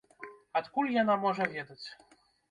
Адкуль яна можа ведаць?